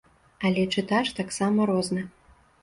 Але чытач таксама розны.